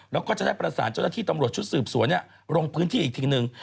แล้วก็จะได้ประสานเจ้าหน้าที่ตำรวจชุดสืบสวนลงพื้นที่อีกทีหนึ่ง